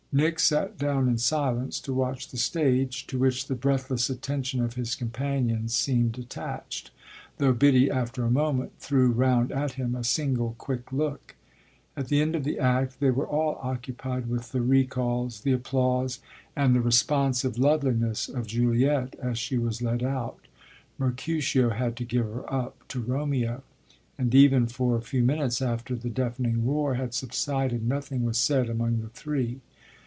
Nick sat down in silence to watch the stage, to which the breathless attention of his companions seemed attached, though Biddy after a moment threw round at him a single quick look. At the end of the act they were all occupied with the recalls, the applause and the responsive loveliness of Juliet as she was led out Mercutio had to give her up to Romeo and even for a few minutes after the deafening roar had subsided nothing was said among the three.